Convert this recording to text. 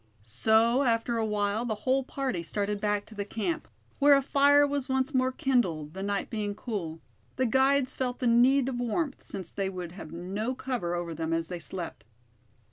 So after a while the whole party started back to the camp, where a fire was once more kindled, the night being cool, the guides felt the need of warmth, since they would have no cover over them as they slept.